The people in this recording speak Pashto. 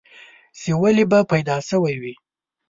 چې ولې به پيدا شوی وې؟